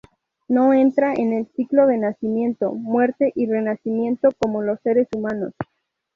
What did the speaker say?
No entra en el ciclo de nacimiento, muerte y renacimiento, como los seres humanos.